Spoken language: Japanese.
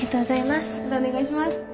またお願いします。